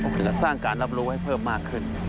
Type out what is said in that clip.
ถึงจะสร้างการรับรู้ให้เพิ่มมากขึ้น